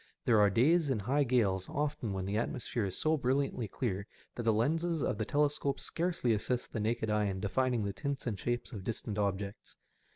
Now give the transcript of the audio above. There are days in high gales often when the atmosphere is so brilliantly clear that the lenses of the telescope scarcely assist the naked eye in defining the tints and shapes of distant objects.